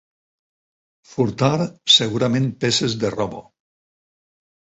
Furtar, segurament peces de roba.